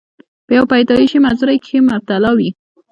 پۀ يو پېدائشي معذورۍ کښې مبتلا وي،